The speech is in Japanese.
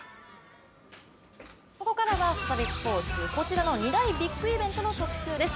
ここからは再びスポーツ２大ビッグイベントの特集です。